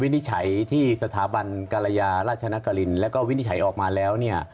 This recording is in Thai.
นิจฉัยที่สถาบันกรยาราชนกรินแล้วก็วินิจฉัยออกมาแล้วเนี่ย